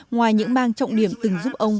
ngoài những bang trọng điểm từng giúp ông